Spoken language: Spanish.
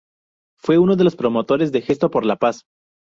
Fue uno de los promotores de Gesto por la Paz.